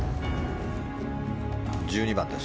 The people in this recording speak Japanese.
１２番です。